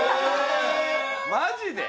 マジで？